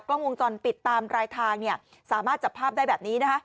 กล้องวงจรปิดตามรายทางเนี่ยสามารถจับภาพได้แบบนี้นะคะ